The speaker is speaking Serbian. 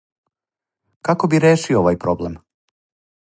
Како би решио овај проблем?